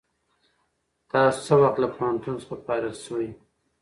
تاسو څه وخت له پوهنتون څخه فارغ شوئ؟